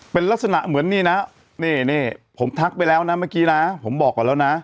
เป็นลักษณะเหมือนนี่นะนี่ผมทักไปแล้วนะเมื่อกี้นะผมบอกก่อนแล้วนะ